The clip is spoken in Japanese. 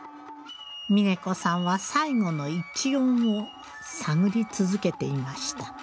峯子さんは最後の一音を探り続けていました。